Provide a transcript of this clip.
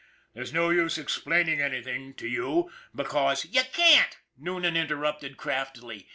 There's no use explaining anything to you because " You can't," Noonan interrupted craftily.